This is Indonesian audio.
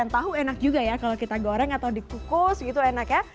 tahu enak juga ya kalau kita goreng atau dikukus gitu enak ya